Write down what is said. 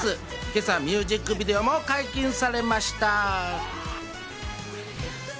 今朝ミュージックビデオも解禁されました。